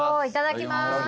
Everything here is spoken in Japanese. いただきます。